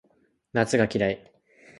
夏が嫌い